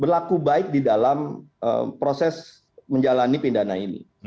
berlaku baik di dalam proses menjalani pidana ini